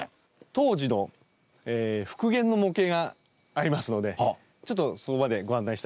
当時の復元の模型がありますのでちょっとそこまでご案内したいと思います。